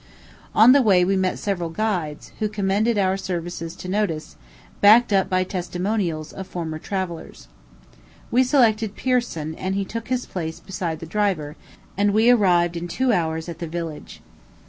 On the way we met several guides, who commended their services to our notice, backed up by testimonials of former travellers. We selected Pirson, and he took his place beside the driver, and we arrived in two hour at the village.